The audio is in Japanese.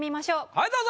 はいどうぞ！